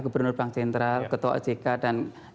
gubernur bank sentral ketua ojk dan